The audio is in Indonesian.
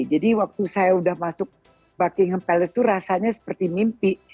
jadi waktu saya sudah masuk buckingham palace itu rasanya seperti mimpi